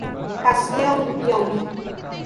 Castelo do Piauí